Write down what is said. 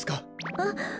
あっ！